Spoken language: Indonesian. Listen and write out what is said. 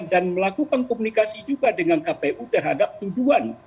dan melakukan komunikasi juga dengan kpu terhadap tuduhan